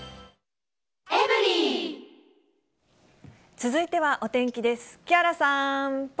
続いてはお天気です。